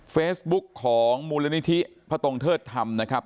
เฟซบุ๊คของมูลนิธิพระตงเทิดธรรมนะครับ